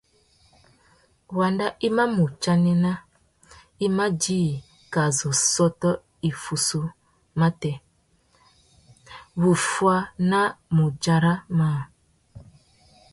Wanda i mà mù chanena i mà djï kā zu sôtô iffussú matê, wuffuá na mudjúra mâā.